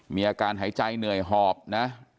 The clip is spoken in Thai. มีอาการหายใจเหนื่อยหอบนะ